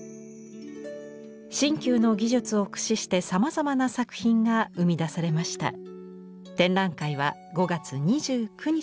新旧の技術を駆使してさまざまな作品が生み出されました。